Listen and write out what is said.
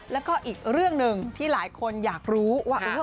แล้วก็อีกเรื่องหนึ่งที่หลายคนอยากรู้ว่า